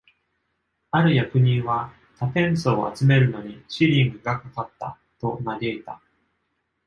ある役人は「タペンスを集めるのにシリングがかかった」と嘆いた。